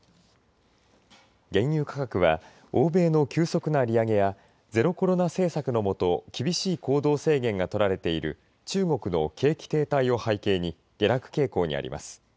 原油価格は欧米の急速な利上げやゼロコロナ政策のもと厳しい行動制限が取られている中国の景気停滞を背景に下落傾向にあります。